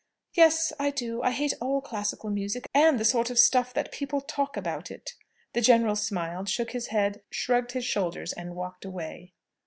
"Yes, I do. I hate all classical music, and the sort of stuff that people talk about it." The general smiled again, shook his head, shrugged his shoulders, and walked away.